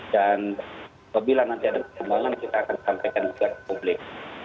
dan bila nanti ada kembangan kita akan sampaikan juga ke publik